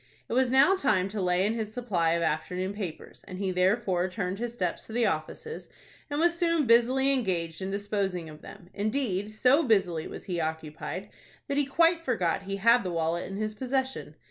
It was now time to lay in his supply of afternoon papers, and he therefore turned his steps to the offices, and was soon busily engaged in disposing of them. Indeed, so busily was he occupied, that he quite forgot he had the wallet in his possession.